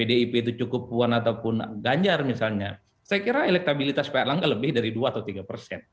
pdip itu cukup puan ataupun ganjar misalnya saya kira elektabilitas pak erlangga lebih dari dua atau tiga persen